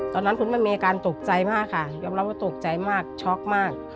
ตอนนั้นคุณมันมีอาการตกใจมากค่ะยอมรับว่าตกใจมากช็อกมาก